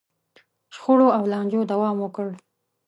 شخړو او لانجو دوام وکړ.